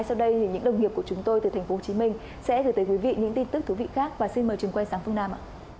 xin mời trường quay sang phương nam